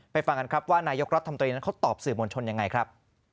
ฟังกันครับว่านายกรัฐมนตรีนั้นเขาตอบสื่อมวลชนยังไงครับ